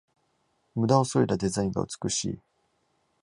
ムダをそいだデザインが美しい